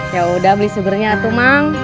ya udah beli sugernya atu mang